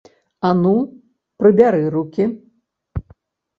А ну, прыбяры рукі!